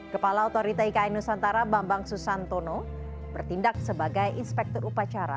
kepala otorita ikn nusantara bambang susantono bertindak sebagai inspektur upacara